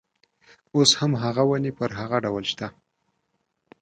اوس هم هغه ونې پر هغه ډول شته.